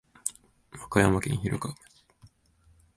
和歌山県広川町